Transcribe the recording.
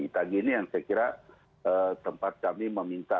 itagi ini yang saya kira tempat kami meminta